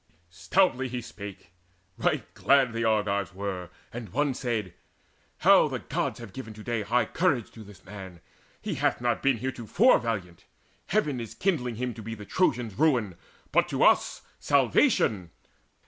Stoutly he spake: right glad the Argives were; And one said: "How the Gods have given to day High courage to this man! He hath not been Heretofore valiant. Heaven is kindling him To be the Trojans' ruin, but to us Salvation.